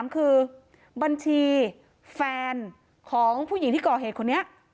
คือบัญชีแฟนของผู้หญิงที่ก่อเหตุคนนี้